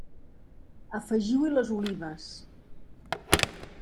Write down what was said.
Afegiu-hi les olives.